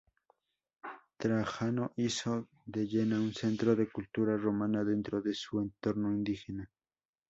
Trajano hizo de ella un centro de cultura romana dentro de su entorno indígena.